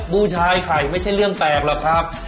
บูชายไข่ไม่ใช่เรื่องแปลกหรอกครับ